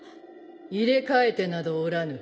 入れ替えてなどおらぬ。